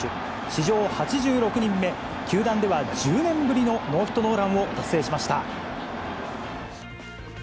史上８６人目、球団では１０年ぶりのノーヒットノーランを達成しました。